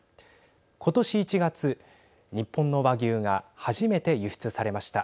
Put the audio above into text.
今年１月日本の和牛が初めて輸出されました。